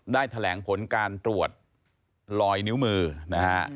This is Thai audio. ได้แถลงผลการตรวจลอยนิ้วมือนะฮะ